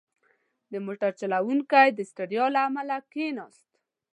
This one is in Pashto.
• د موټر چلوونکی د ستړیا له امله کښېناست.